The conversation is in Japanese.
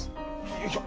よいしょ！